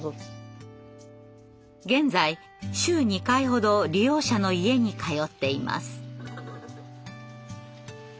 現在週２回ほど利用者の家に通っています。